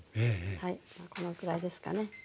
はいこのくらいですかね。